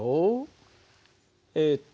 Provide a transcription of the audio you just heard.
えっと